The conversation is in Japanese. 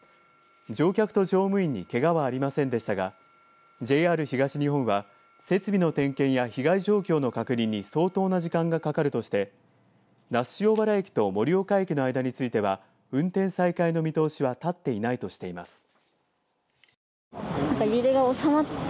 乗客と乗務員にけがはありませんでしたがＪＲ東日本は設備の点検や被害状況の確認に相当な時間がかかるとして那須塩原駅と盛岡駅の間については運転再開の見通しは立っていないとしています。